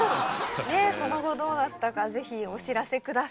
その後どうなったかぜひお知らせください。